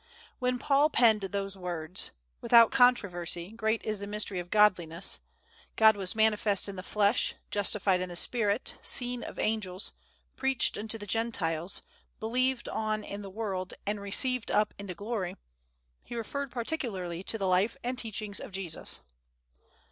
When Paul penned those words, "Without controversy, great is the mystery of Godliness: God was manifest in the flesh, justified in the spirit, seen of angels, preached unto the Gentiles, believed on in the world, and received up into glory," he referred particularly to the life and teachings of Jesus.